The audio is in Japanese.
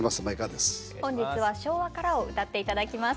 本日は「昭和から」を歌って頂きます。